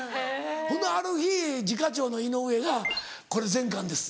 ほんである日次課長の井上が「これ全巻です」